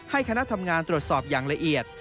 คณะทำงานตรวจสอบอย่างละเอียด